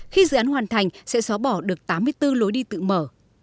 khi dự án hoàn thành sẽ xóa bỏ được tám mươi bốn lối đi tự mở